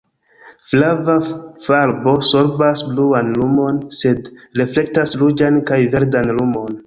Flava farbo sorbas bluan lumon, sed reflektas ruĝan kaj verdan lumon.